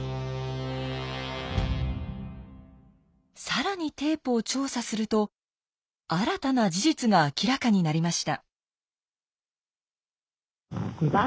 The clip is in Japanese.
更にテープを調査すると新たな事実が明らかになりました。